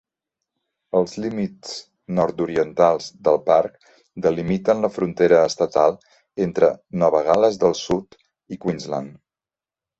Els límits nord-orientals del parc delimiten la frontera estatal entre Nova Gal·les del Sud i Queensland.